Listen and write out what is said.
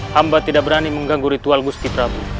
hamba tidak berani mengganggu ritual gusti prabu